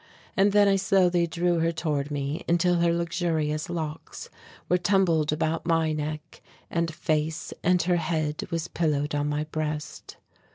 And then I slowly drew her toward me until her luxuriant locks were tumbled about my neck and face and her head was pillowed on my breast.